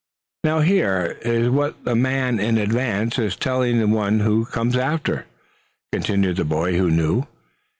"Now, here is what the man in advance is telling the one who comes after," continued the boy who knew.